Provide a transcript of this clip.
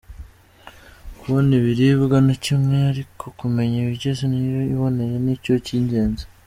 Kubona ibiribwa ni kimwe ariko kumenya ibigize indyo iboneye ni cyo cy’ingenzi.